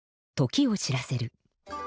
時を知らせる。